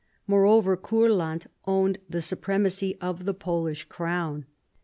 Moreover, Courland owned the supremacy of the Polish crown.